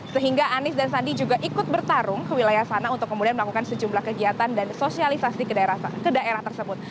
sehingga anies dan sandi juga ikut bertarung ke wilayah sana untuk kemudian melakukan sejumlah kegiatan dan sosialisasi ke daerah tersebut